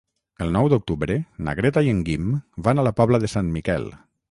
El nou d'octubre na Greta i en Guim van a la Pobla de Sant Miquel.